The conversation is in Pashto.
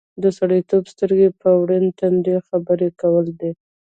د سړیتوب سترګې په ورین تندي خبرې کول دي.